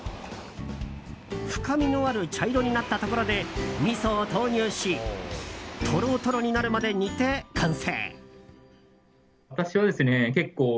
深みのある茶色になったところでみそを投入しトロトロになるまで煮て、完成！